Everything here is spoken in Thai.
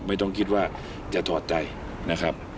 ไม่ต้องคิดว่าจะถอดใจนะครับ